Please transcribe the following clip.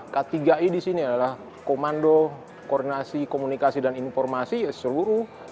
k tiga i di sini adalah komando koordinasi komunikasi dan informasi seluruh